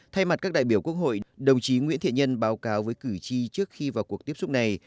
thay mặt các đại biểu quốc hội đồng chí nguyễn thiện nhân báo cáo với cử tri trước khi vào cuộc tiếp xúc này